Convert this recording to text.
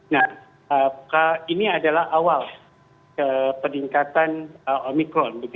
nah ini adalah awal peningkatan omikron